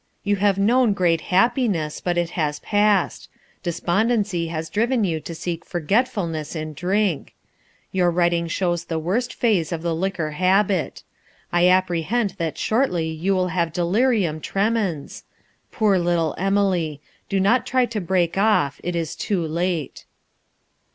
You have known great happiness, but it has passed. Despondency has driven you to seek forgetfulness in drink. Your writing shows the worst phase of the liquor habit. I apprehend that you will shortly have delirium tremens. Poor little Emily! Do not try to break off; it is too late."